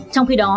trong khi đó